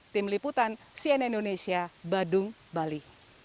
tim liputan cnn indonesia badung bali